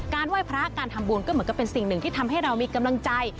ไหว้พระการทำบุญก็เหมือนกับเป็นสิ่งหนึ่งที่ทำให้เรามีกำลังใจ